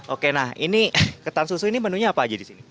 oke nah ini ketan susu ini menunya apa aja di sini